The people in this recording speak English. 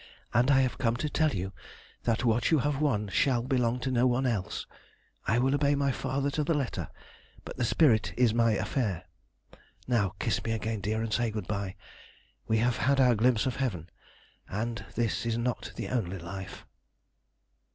And I have come to tell you that what you have won shall belong to no one else. I will obey my father to the letter, but the spirit is my affair. Now kiss me again, dear, and say good bye. We have had our glimpse of heaven, and this is not the only life."